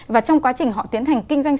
và trong quá trình họ tiến hành kinh doanh